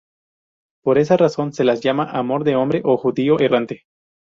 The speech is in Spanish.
Por esa razón se las llama "amor de hombre" o "judío errante".